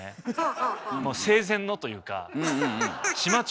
生前のというか。